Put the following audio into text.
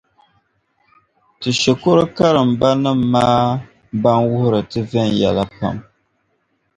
Ti shikuru karimbanima maa ban wuhiri ti viɛnyɛla pam.